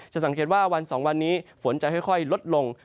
สังเกตว่าวัน๒วันนี้ฝนจะค่อยลดลง